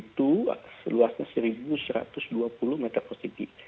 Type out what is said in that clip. itu seluasnya seribu satu ratus dua puluh meter persegi